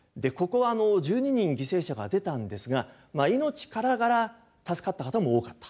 ここは１２人犠牲者が出たんですが命からがら助かった方も多かった。